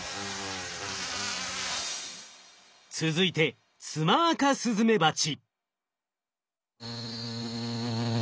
続いてツマアカスズメバチ。